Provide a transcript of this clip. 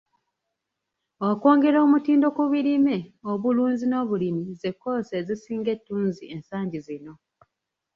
Okwongera omutindo ku birime, obulunzi n'obulimi ze kkoosi ezisinga ettunzi ensangi zino.